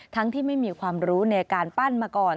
ที่ไม่มีความรู้ในการปั้นมาก่อน